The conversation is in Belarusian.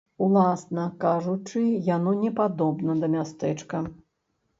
Уласна кажучы, яно не падобна да мястэчка.